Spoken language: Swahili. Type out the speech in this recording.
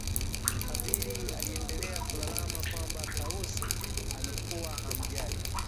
Fadhili aliendelea kulalama kwamba Tausi amekuwa hamjali